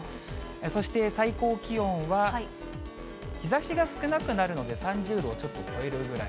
そして最高気温は、日ざしが少なくなるので、３０度をちょっと超えるぐらい。